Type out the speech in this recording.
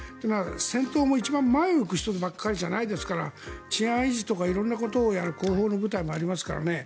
戦闘も一番前を行く人ばかりじゃないですから治安維持とか色んなことをやる後方の部隊もありますからね。